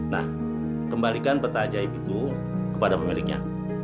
nah kembalikan peta ajaib itu kepada pemiliknya